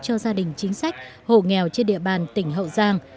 cho gia đình chính sách hộ nghèo trên địa bàn tỉnh hậu giang